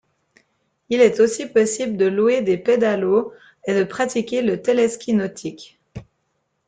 Il est aussi possible de louer des pédalos et de pratiquer le téléski nautique.